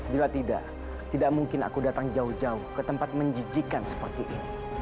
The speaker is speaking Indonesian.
bila tidak tidak mungkin aku datang jauh jauh ke tempat menjijikan seperti ini